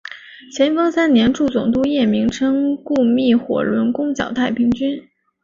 咸丰三年助总督叶名琛雇觅火轮攻剿太平军。